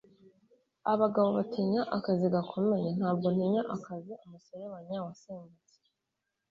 abagabo batinya akazi gakomeye. ntabwo ntinya akazi. umuserebanya wasimbutse